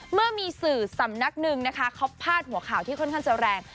เมื่อมีสื่อสำนักหนึ่งนะคะเขาพาดหัวข่าวที่ค่อนข้างจะแรง